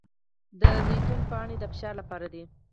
د زیتون پاڼې د فشار لپاره دي.